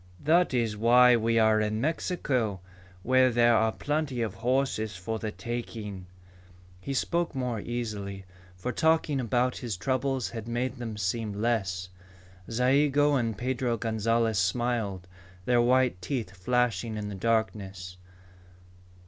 "That is why we are in Mexico, where there are plenty of horses for the taking." He spoke more easily, for talking about his troubles had made them seem less. Zayigo and Pedro Gonzalez smiled, their white teeth flashing in the darkness.